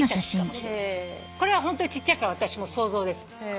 これはホントにちっちゃいから私も想像です。